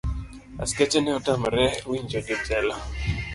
Askeche ne otamre winjo jojela.